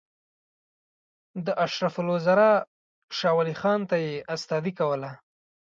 د اشرف الوزرا شاولي خان ته یې استادي کوله.